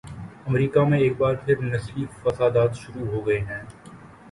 امریکہ میں ایک بار پھر نسلی فسادات شروع ہوگئے ہیں۔